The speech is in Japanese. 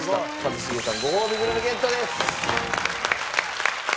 一茂さんごほうびグルメゲットです。